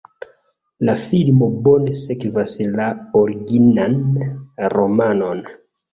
La filmo bone sekvas la originan romanon.